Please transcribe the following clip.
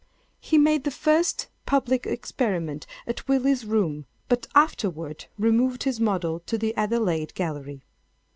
He made the first public experiment at Willis's Rooms, but afterward removed his model to the Adelaide Gallery.